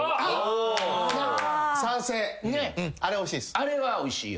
あれはおいしいよ。